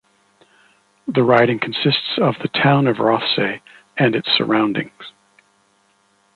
The riding consists of the Town of Rothesay and its surroundings.